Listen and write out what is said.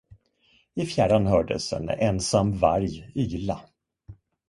I fjärran hördes en ensam varg yla.